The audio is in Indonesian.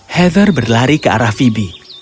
heather berlari ke arah phoebe